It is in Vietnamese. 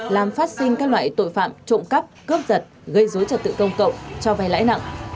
làm phát sinh các loại tội phạm trộm cắp cướp giật gây dối trật tự công cộng cho vay lãi nặng